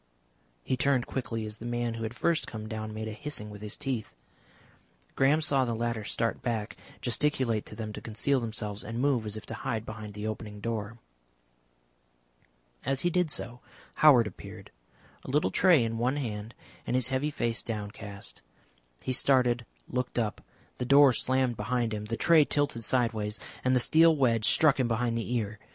He turned quickly as the man who had first come down made a hissing with his teeth. Graham saw the latter start back, gesticulate to them to conceal themselves, and move as if to hide behind the opening door. As he did so Howard appeared, a little tray in one hand and his heavy face downcast. He started, looked up, the door slammed behind him, the tray tilted side ways, and the steel wedge struck him behind the ear.